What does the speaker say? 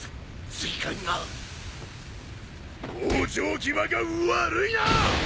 時間が往生際が悪いな！